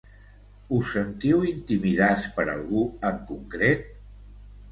Us sentiu intimidats per algú en concret?